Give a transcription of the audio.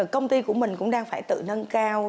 công ty của mình cũng đang phải tự nâng cao